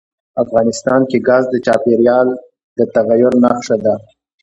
افغانستان کې ګاز د چاپېریال د تغیر نښه ده.